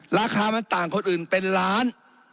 ราคามันต่างคนอื่นเป็นล้าน